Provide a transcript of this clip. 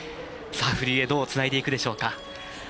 フリーへどうつないでいくでしょうか。